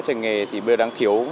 các trường nghề thì bây giờ đang thiếu